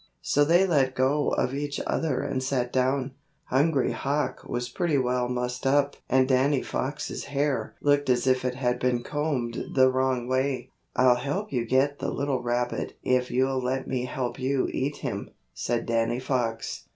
So they let go of each other and sat down. Hungry Hawk was pretty well mussed up and Danny Fox's hair looked as if it had been combed the wrong way. "I'll help you get the little rabbit if you'll let me help you eat him," said Danny Fox.